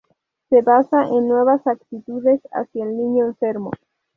Se basa en nuevas actitudes hacia el niño enfermo.